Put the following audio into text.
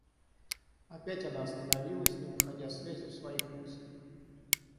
Опять она остановилась, не находя связи в своих мыслях.